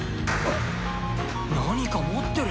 ・何か持ってる！